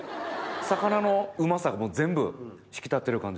魚のうまさが全部引き立ってる感じで。